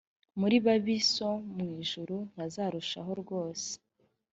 muri babi so wo mu ijuru ntazarushaho rwose .